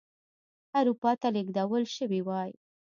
اروپا ته لېږدول شوي وای.